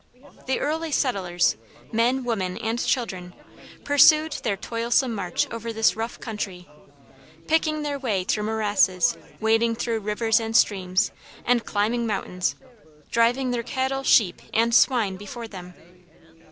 The early settlers, men, women, and children, pursued their toilsome march over this rough country, picking their way through morasses, wading through rivers and streams, and climbing mountains; driving their cattle, sheep, and swine before them.